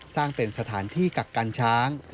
สร้างเป็นสถานที่กักกันช้าง